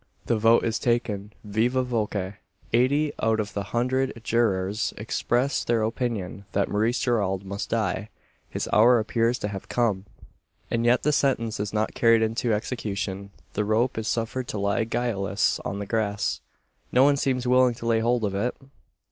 The vote is taken viva voce. Eighty out of the hundred jurors express their opinion: that Maurice Gerald must die. His hour appears to have come. And yet the sentence is not carried into execution. The rope is suffered to lie guileless on the grass. No one seems willing to lay hold of it!